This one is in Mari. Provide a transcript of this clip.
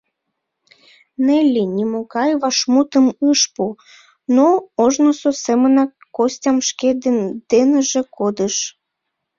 Нелли нимогай вашмутым ыш пу, но ожнысо семынак Костям шке деныже кодыш.